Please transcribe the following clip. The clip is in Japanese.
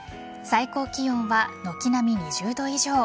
最高気温は軒並み２０度以上。